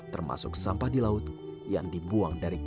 termasuk sampah di laut yang dibuang dari kapal